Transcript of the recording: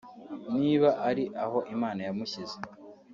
niba ari aho Imana yamushyize